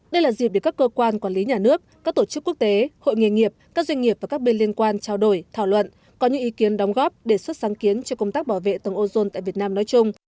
đây là dịp để các cơ quan quản lý nhà nước các tổ chức quốc tế hội nghề nghiệp các doanh nghiệp và các bên liên quan trao đổi thảo luận có những ý kiến đóng góp đề xuất sáng kiến cho công tác bảo vệ tầng ozone tại việt nam nói chung